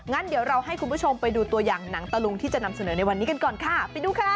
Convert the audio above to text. งั้นเดี๋ยวเราให้คุณผู้ชมไปดูตัวอย่างหนังตะลุงที่จะนำเสนอในวันนี้กันก่อนค่ะไปดูค่ะ